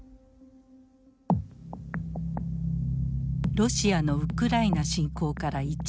ロシアのウクライナ侵攻から１年。